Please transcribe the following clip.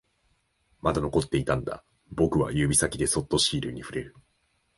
まだ残っていたんだ、僕は指先でそっとシールに触れる